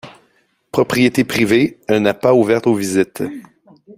Propriété privée, elle n'est pas ouverte aux visites.